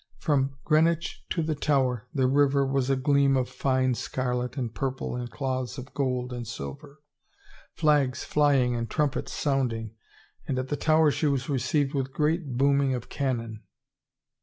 From Greenwich to the Tower the river was a gleam of fine scarlet and purple and cloths of gold and silver, flags flying and trumpets sounding, and at the Tower she was received with great booming of cannon.